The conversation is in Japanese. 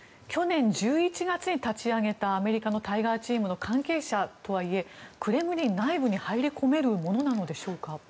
去年１１月に立ち上げたアメリカのタイガーチームの関係者とはいえクレムリン内部に入り込めるものなのでしょうか。